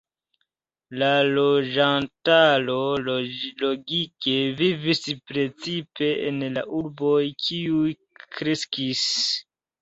La loĝantaro logike vivis precipe en la urboj, kiuj kreskis.